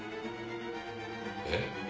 ・えっ？